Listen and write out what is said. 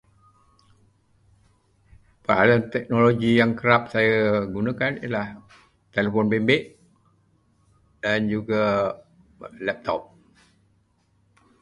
Peralatan teknologi yang kerap saya gunakan ialah telefon bimbit dan juga laptop.